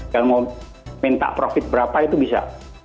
kalau mau minta profit berapa itu bisa